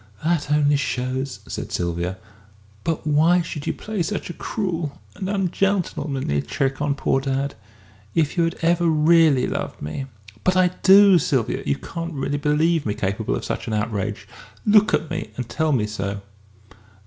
"That only shows!" said Sylvia. "But why should you play such a cruel, and and ungentlemanly trick on poor dad? If you had ever really loved me !" "But I do, Sylvia, you can't really believe me capable of such an outrage! Look at me and tell me so."